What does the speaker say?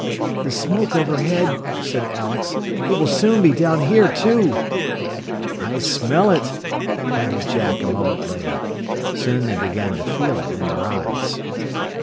"The smoke overhead," said Alex. "It will soon be down here, too." "I smell it," panted Jack a moment later. Soon they began to feel it in their eyes.